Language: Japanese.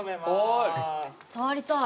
触りたい！